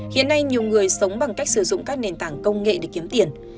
hiện nay nhiều người sống bằng cách sử dụng các nền tảng công nghệ để kiếm tiền